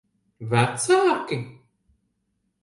Vecāki?